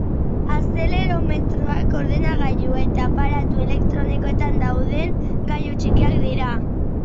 Azelerometroak ordenagailu eta aparatu elektronikoetan dauden gailu txikiak dira.